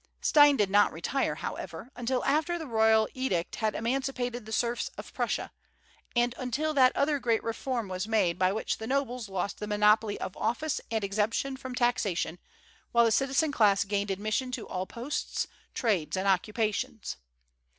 Stein did not retire, however, until after the royal edict had emancipated the serfs of Prussia, and until that other great reform was made by which the nobles lost the monopoly of office and exemption from taxation, while the citizen class gained admission to all posts, trades, and occupations.